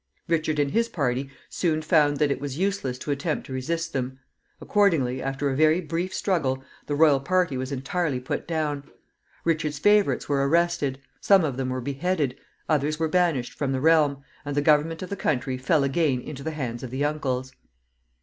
Richard and his party soon found that it was useless to attempt to resist them. Accordingly, after a very brief struggle, the royal party was entirely put down. Richard's favorites were arrested. Some of them were beheaded, others were banished from the realm, and the government of the country fell again into the hands of the uncles.